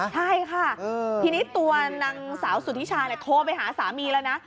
ใช่ค่ะทีนี้ตัวนางสาวสุธิชาโทรไปหาสามีแล้วนะ